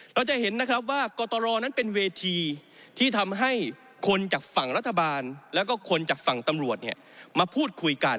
เราจะเห็นนะครับว่ากตรนั้นเป็นเวทีที่ทำให้คนจากฝั่งรัฐบาลแล้วก็คนจากฝั่งตำรวจมาพูดคุยกัน